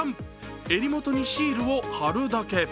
襟元にシールを貼るだけ。